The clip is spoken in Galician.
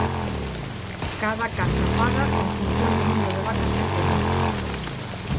Cada casa paga en función do número de vacas que teña.